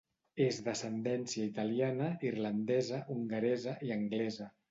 És d'ascendència italiana, irlandesa, hongaresa i anglesa.